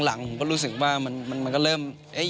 หลังผมก็รู้สึกว่ามันก็เริ่ม